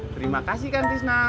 terima kasih kan tisna